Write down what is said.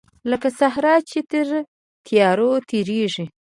لکه سحر چې تر تیارو تیریږې